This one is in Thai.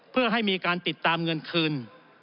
เพื่อให้มีการติดตามเงินคืน